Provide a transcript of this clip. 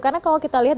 karena kalau kita lihat